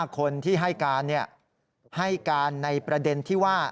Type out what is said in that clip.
๕คนที่ให้การในประเด็นที่ว่า